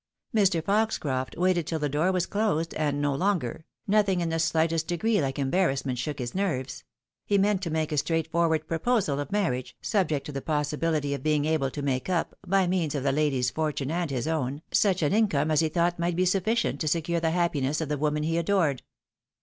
Mr. Foxcroft waited till the door was closed, and no longer ; nothing in the slightest degree like embarrassment shook his nerves ; he meant to make a straightforward proposal of mar riage, subject to the possibility of being able to make up, by means of the lady's fortune and his own, such an income as he thought might be sufficient to secure the happiness of the woman he adored.